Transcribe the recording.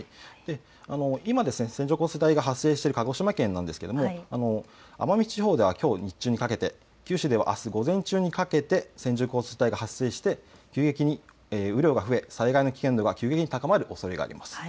今、線状降水帯が発生している鹿児島県なんですが奄美地方ではきょう日中にかけて、九州ではあす午前中にかけて線状降水帯が発生して急激に雨量が増え災害の危険度が急激に高まるおそれがあります。